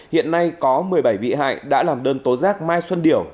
hiện nay có một mươi bảy bị hại đã làm đơn tố giác mai xuân điểu